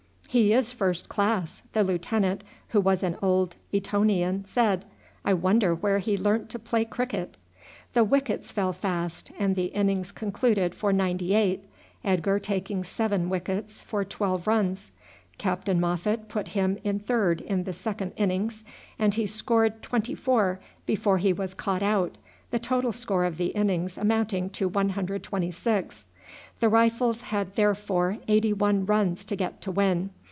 "He is first class," the lieutenant, who was an old Etonian, said. "I wonder where he learnt to play cricket?" The wickets fell fast, and the innings concluded for 98, Edgar taking seven wickets for twelve runs. Captain Moffat put him in third in the second innings, and he scored twenty four before he was caught out, the total score of the innings amounting to 126. The Rifles had therefore eighty one runs to get to win.